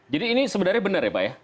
jadi ini sebenarnya benar ya pak ya